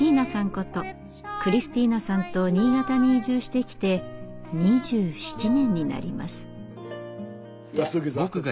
ことクリスティーナさんと新潟に移住してきて２７年になります。